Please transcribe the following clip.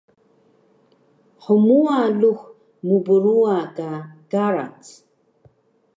Hmuwa lux mbruwa ka karac?